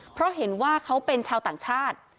เพราะเห็นว่าเขาเป็นชาวต่างชาติ